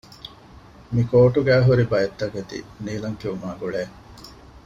މިކޯޓުގައި ހުރި ބައެއްތަކެތި ނީލަންކިޔުމާގުޅޭ